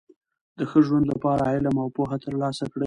د ښه ژوند له پاره علم او پوهه ترلاسه کړئ!